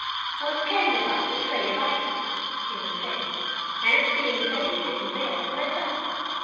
"I was carrying about a tray of ices," he was saying, "and seeing the lady sitting there, went up.